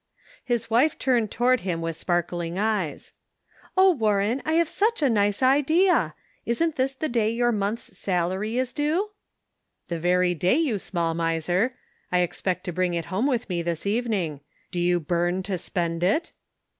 His wife turned toward him with sparkling eyes. 26 The Pocket Measure. " Oh, Warren, I have such a nice idea ! Isn't this the day your month's salary is due ? r' " The very day, you small miser ! I expect to bring it home with me this evening. Do you burn to spend it